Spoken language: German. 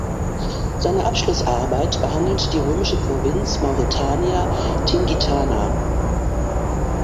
Seine Abschlussarbeit behandelt die römische Provinz Mauretania Tingitana.